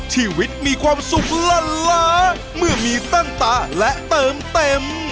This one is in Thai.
ชีวิตมีความสุขละล้าเมื่อมีตั้งตาและเติมเต็ม